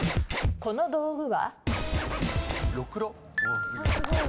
この道具は？